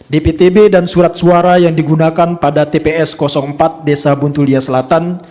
dptb dan surat suara yang digunakan pada tps empat desa buntulia selatan